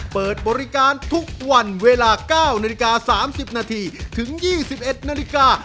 เปิดบริการทุกวันเวลาเก้านาฬิกาสามสิบนาทีถึงยี่สิบเอ็ดนาฬิกา